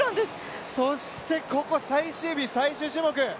そして、ここ最終日、最終種目！